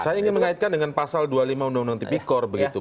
saya ingin mengaitkan dengan pasal dua puluh lima undang undang tipikor begitu